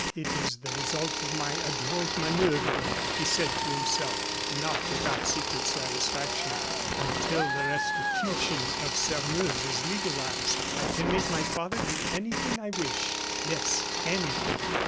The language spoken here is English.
"It is the result of my adroit manoeuvre," he said to himself, not without secret satisfaction. "Until the restitution of Sairmeuse is legalized, I can make my father do anything I wish; yes, anything.